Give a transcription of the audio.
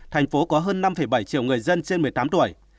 thành phố có hơn năm bảy triệu người dân trên một mươi tám tuổi